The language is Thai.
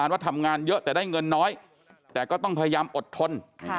ว่าทำงานเยอะแต่ได้เงินน้อยแต่ก็ต้องพยายามอดทน